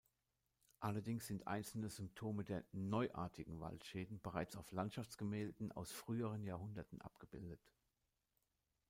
Allerdings sind einzelne Symptome der „neuartigen“ Waldschäden bereits auf Landschaftsgemälden aus früheren Jahrhunderten abgebildet.